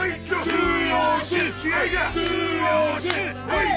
はい。